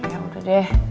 ya udah deh